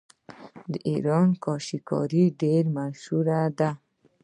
د ایران کاشي کاري ډیره مشهوره ده.